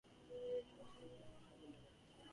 Senator Bennett Champ Clark in the Democratic primary.